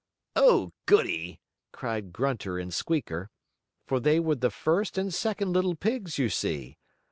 "Oh, goodie!" cried Grunter and Squeaker. For they were the first and second little pigs, you see.